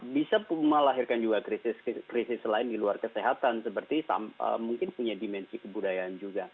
bisa melahirkan juga krisis krisis lain di luar kesehatan seperti mungkin punya dimensi kebudayaan juga